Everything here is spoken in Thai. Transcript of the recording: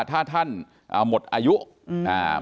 ถ้าท่านหมดอายุบัตรประชาชนหมดอายุ